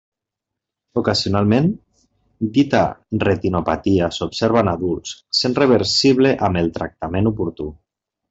Ocasionalment, dita retinopatia s'observa en adults, sent reversible amb el tractament oportú.